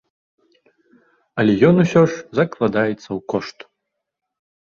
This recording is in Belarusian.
Але ён усё ж закладаецца ў кошт.